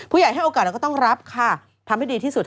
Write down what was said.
ให้โอกาสเราก็ต้องรับค่ะทำให้ดีที่สุด